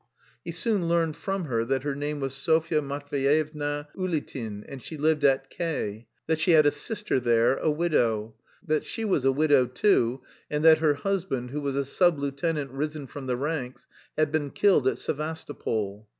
He soon learned from her that her name was Sofya Matveyevna Ulitin and she lived at K , that she had a sister there, a widow; that she was a widow too, and that her husband, who was a sub lieutenant risen from the ranks, had been killed at Sevastopol.